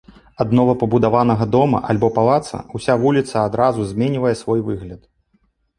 Ад новапабудаванага дома альбо палаца ўся вуліца адразу зменьвае свой выгляд.